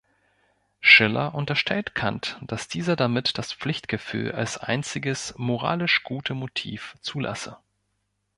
Schiller unterstellt Kant, dass dieser damit das Pflichtgefühl als einziges moralisch gute Motiv zulasse.